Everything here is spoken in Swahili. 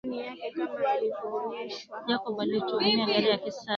ndani yake Kama ilivyoonyeshwa hapo awali sifa